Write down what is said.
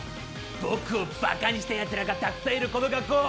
僕をばかにした奴らがたくさんいるこの学校